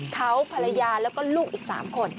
เขาภรรยาแล้วก็ลูกอีก๓คน